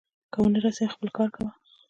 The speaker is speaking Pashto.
که ونه رسېدم، خپل کار کوه.